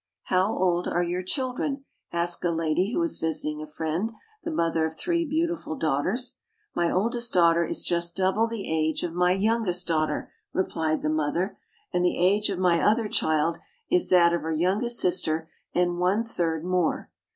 "How old are your children?" asked a lady who was visiting a friend, the mother of three beautiful daughters. "My oldest daughter is just double the age of my youngest daughter," replied the mother, "and the age of my other child is that of her youngest sister and one third more.